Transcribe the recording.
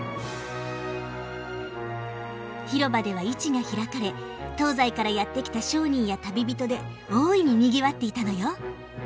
広場では市が開かれ東西からやって来た商人や旅人で大いににぎわっていたのよ。